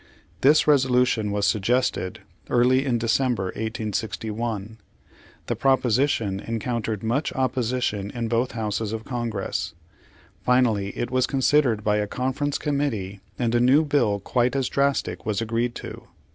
This resolution was suggested early in December, 1861. The proposition encountered much opposi tion in both Houses of Congress. Finally it was considered by a conference committee, and a new bill quite as drastic was agreed to.